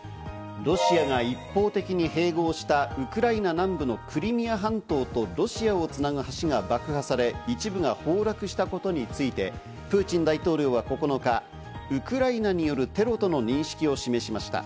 ロシアが一方的に併合したウクライナ南部のクリミア半島とロシアをつなぐ橋が爆破され、一部が崩落したことについて、プーチン大統領は９日、ウクライナによるテロとの認識を示しました。